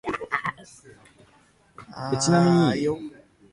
Players control the character Neo, participating in scenes from the films.